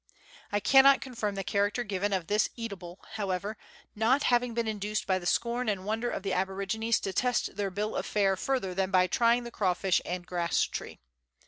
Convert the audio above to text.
I cannot confirm the character given of this eat able, however, not having been induced by the scorn and wonder of the aborigines to test their bill of fare further than by trying the crawfish and grass tree.